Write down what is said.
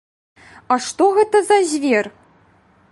А што гэта за звер?